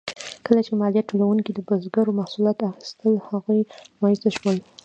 کله چې مالیات ټولونکو د بزګرو محصولات اخیستل، هغوی مایوسه شول.